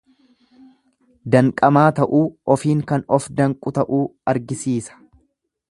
Danqamaa ta'uu, ofiin kan of danqu ta'uu argisiisa.